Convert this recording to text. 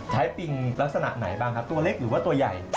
ปิงลักษณะไหนบ้างครับตัวเล็กหรือว่าตัวใหญ่